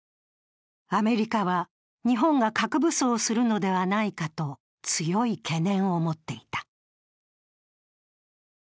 アメリカは日本が核武装するのではないかと強い懸念を持っていた。